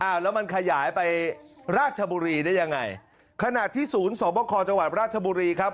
แล้วมันขยายไปราชบุรีได้ยังไงขณะที่ศูนย์สอบคอจังหวัดราชบุรีครับ